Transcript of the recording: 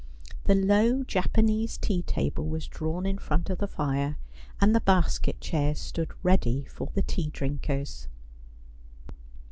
The low Japanese tea table was drawn in front of the fire, and the basket chairs stood ready for the tea drinkers.